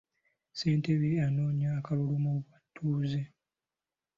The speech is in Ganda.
Ssentebe anoonya akalulu mu batuuze.